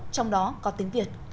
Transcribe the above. trong đó có tiếng việt